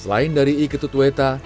selain dari iketut weta